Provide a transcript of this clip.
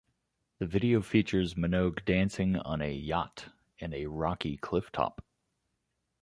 The video features Minogue dancing on a yacht and a rocky cliff top.